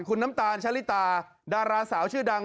คุณน้ำตาลชะลิตาดาราสาวชื่อดัง